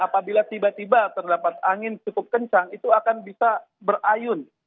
apabila tiba tiba terdapat angin cukup kencang itu akan bisa berayun